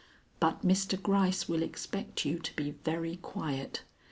But Mr. Gryce will expect you to be very quiet.